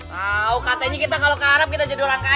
wow katanya kita kalau ke arab kita jadi orang kaya